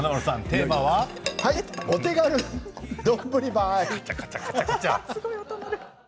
お手軽丼ばい！